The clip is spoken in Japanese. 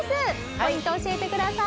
ポイント教えてください。